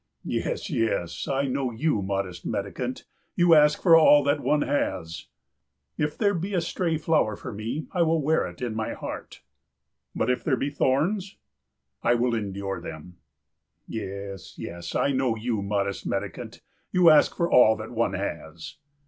"Yes, yes, I know you, modest mendicant, you ask for all that one has." "If there be a stray flower for me I will wear it in my heart." "But if there be thorns?" "I will endure them." "Yes, yes, I know you, modest mendicant, you ask for all that one has."